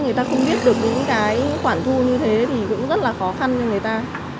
người ta không biết được những cái khoản thu như thế thì cũng rất là khó khăn cho người ta